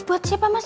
buat siapa mas